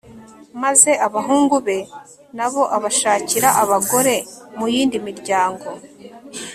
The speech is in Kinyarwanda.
maze abahungu be na bo abashakira abagore mu yindi miryango